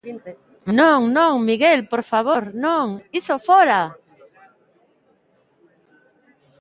Non, non, Miguel, por favor, non, iso fóra.